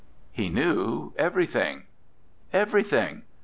He knew everything. Everything.